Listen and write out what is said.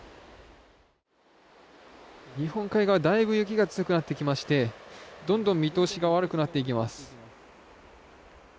日本海側だいぶ雪が強くなってきましてどんどん見通しが悪くなっていきます。